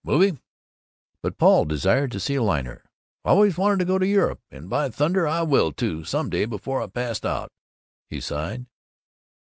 Movie?" But Paul desired to see a liner. "Always wanted to go to Europe and, by thunder, I will, too, some day before I pass out," he sighed.